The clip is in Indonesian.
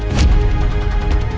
ya udah aku nelfon